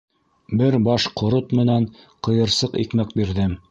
Бер баш ҡорот менән ҡыйырсыҡ икмәк бирҙем.